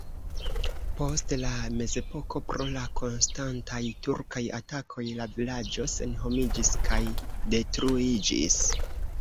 Post la mezepoko pro la konstantaj turkaj atakoj la vilaĝo senhomiĝis kaj detruiĝis.